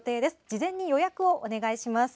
事前に予約をお願いします。